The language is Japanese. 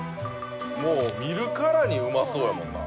もう見るからにうまそうやもんな。